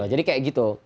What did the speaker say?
jadi kayak gitu